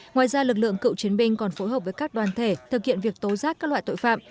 ngoài ra lực lượng cựu chiến binh còn phối hợp với các đoàn thể thực hiện việc tố giác các loại tội phạm